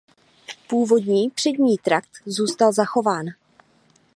Původní přední trakt zůstal zachován.